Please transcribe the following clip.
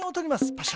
パシャ。